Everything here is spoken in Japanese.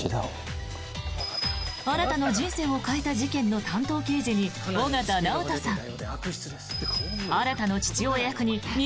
新の人生を変えた事件の担当刑事に緒方直人さん。